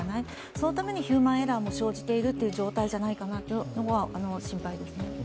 そのためにヒューマンエラーも生じているっていう状況じゃないかなというのが心配ですね。